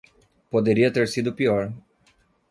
Poderia ter sido pior.